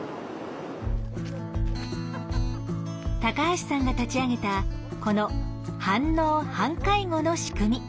橋さんが立ち上げたこの“半農半介護”の仕組み。